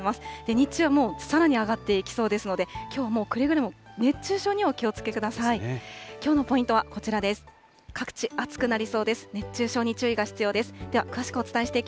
日中はさらに上がっていきそうですので、きょうはくれぐれも熱中症にはお気をつけください。